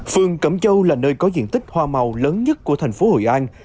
phường cẩm châu là nơi có diện tích hoa màu lớn nhất của thành phố hội an